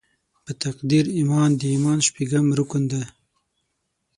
په تقدیر ایمان د ایمان شپږم رکن دې.